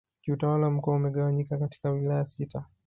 Kiutawala mkoa umegawanyika katika Wilaya sita